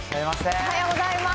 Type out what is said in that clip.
おはようございます。